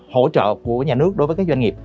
hỗ trợ của nhà nước đối với các doanh nghiệp